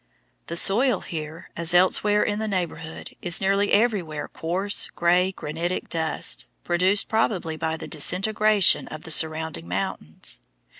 The soil here, as elsewhere in the neighborhood, is nearly everywhere coarse, grey, granitic dust, produced probably by the disintegration of the surrounding mountains.